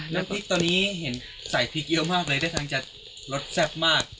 น้ำพริกตอนนี้เห็นใส่พริกเยอะมากเลยได้ทางจะรสแซ่บมาก